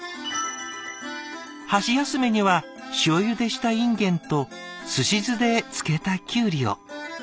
「箸休めには塩ゆでしたいんげんとすし酢で漬けたきゅうりを。